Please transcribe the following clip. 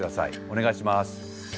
お願いします。